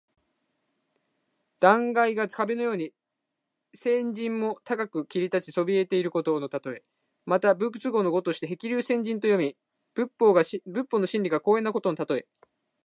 断崖が壁のように千仞も高く切り立ちそびえていること。また仏教の語として「へきりゅうせんじん」と読み、仏法の真理が高遠なことのたとえ。